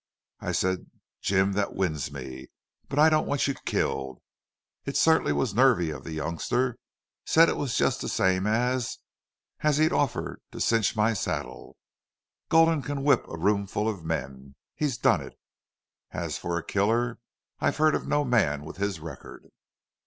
"I said 'Jim, that wins me. But I don't want you killed.'... It certainly was nervy of the youngster. Said it just the same as as he'd offer to cinch my saddle. Gulden can whip a roomful of men. He's done it. And as for a killer I've heard of no man with his record."